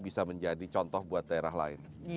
bisa menjadi contoh buat daerah lain